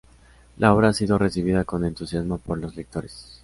La obra ha sido recibida con entusiasmo por los lectores.